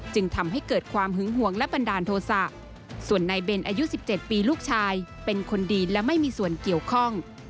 จึงทำให้เกิดความหึงห่วงและบันดาลโทษะส่วนนายเบนอายุ๑๗ปีลูกชายเป็นคนดีและไม่มีส่วนเกี่ยวข้อง